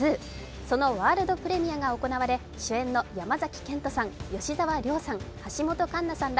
そのワールドプレミアが行われ、主演の山崎賢人さん、吉沢亮さん